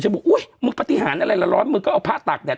บอกอุ๊ยมึงปฏิหารอะไรละร้อนมึงก็เอาผ้าตากแดด